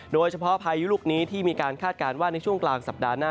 พายุลูกนี้ที่มีการคาดการณ์ว่าในช่วงกลางสัปดาห์หน้า